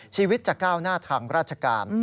ชีวิตจะก้าวหน้าทางราชการ